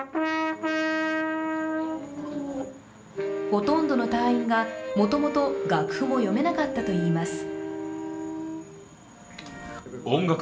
ほとんどの隊員がもともと楽譜も読めなかったといいます。